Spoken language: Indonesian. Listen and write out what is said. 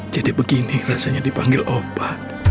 jadi begini rasanya dipanggil opa